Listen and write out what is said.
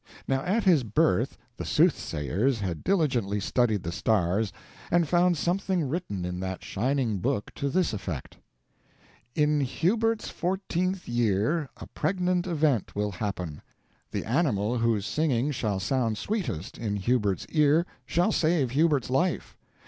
Now at his birth the soothsayers had diligently studied the stars and found something written in that shining book to this effect: In Hubert's fourteenth year a pregnant event will happen; the animal whose singing shall sound sweetest in Hubert's ear shall save Hubert's life.